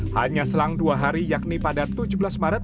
hanya selang dua hari yakni pada tujuh belas maret